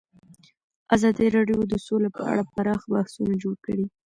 ازادي راډیو د سوله په اړه پراخ بحثونه جوړ کړي.